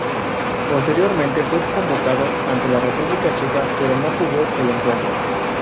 Posteriormente fue convocado ante la República Checa, pero no jugó el encuentro.